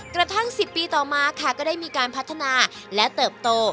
กระทั่ง๑๐ปีต่อมาค่ะก็ได้มีการพัฒนาและเติบโต